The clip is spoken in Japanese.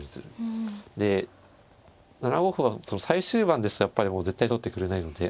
で７五歩は最終盤ですとやっぱりもう絶対取ってくれないので。